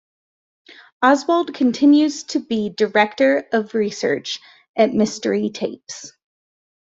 Oswald continues to be Director of Research at Mystery Tapes.